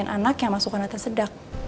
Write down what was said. gak ada pasien anak yang masuk ke rumah tersedak